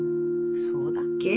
そうだっけ。